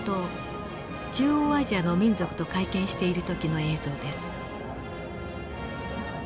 中央アジアの民族と会見している時の映像です。